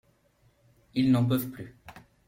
Ils n’en peuvent plus.